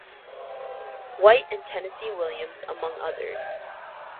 White, and Tennessee Williams, among others.